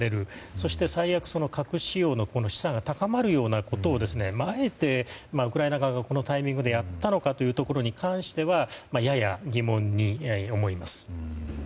そして最悪、核使用の示唆が高まるようなことをあえて、ウクライナ側がこのタイミングでやったのかということに関してはやや疑問に思います。